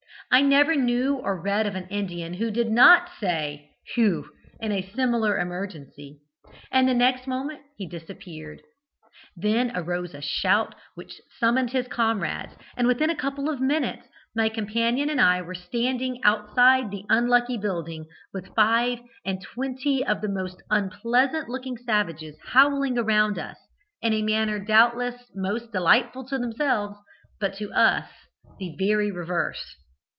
I never knew or read of an Indian who did not say 'Hugh' in a similar emergency, and the next moment he disappeared. Then arose a shout which summoned his comrades, and within a couple of minutes, my companion and I were standing outside the unlucky building, with five and twenty of the most unpleasant looking savages howling around us, in a manner doubtless most delightful to themselves, but to us the very reverse.